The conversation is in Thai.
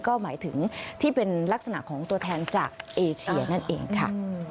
ก็หมายถึงที่เป็นลักษณะของตัวแทนจากเอเชียนั่นเองค่ะ